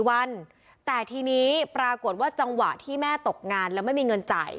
วันแต่ทีนี้ปรากฏว่าจังหวะที่แม่ตกงานแล้วไม่มีเงินจ่าย